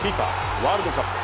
ワールドカップ。